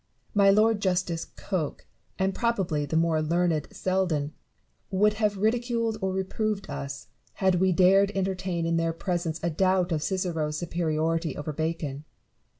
My Lord Justice Coke, and probably the more learned Seldon, would have ridiculed or reproved us, had we dared entertain in their presence a doubt of Cicero's superiority over Bacon.